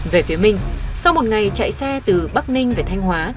về phía minh sau một ngày chạy xe từ bắc ninh về thanh hóa